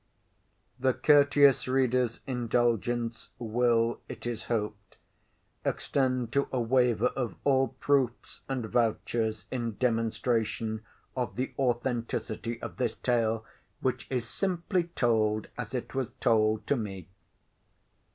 The courteous reader's indulgence will, it is hoped, extend to a waiver of all proofs and vouchers in demonstration of the authenticity of this tale, which is "simply told as it was told to me."